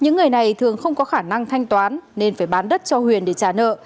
những người này thường không có khả năng thanh toán nên phải bán đất cho huyền để trả nợ